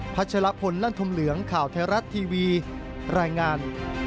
ัชลพลลั่นธมเหลืองข่าวไทยรัฐทีวีรายงาน